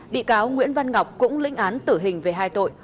bị cáo nguyễn văn ngọc cũng lĩnh án tử hình về hai tội